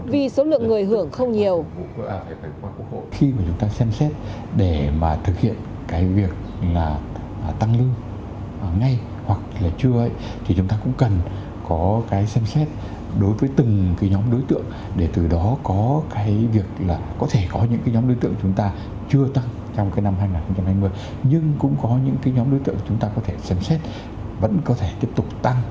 vì số lượng người hưởng không nhiều